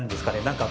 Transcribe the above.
何か。